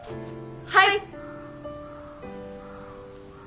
はい！